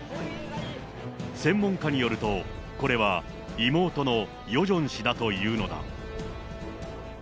専門家によると、これは妹のヨジョン氏だというのだ。